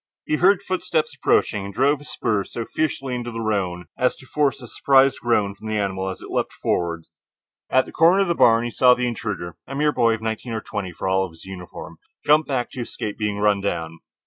He heard footsteps approaching, and drove his spurs so fiercely into the roan as to force a surprised groan from the animal as it leaped forward. At the corner of the barn he saw the intruder, a mere boy of nineteen or twenty for all of his uniform jump back to escape being run down.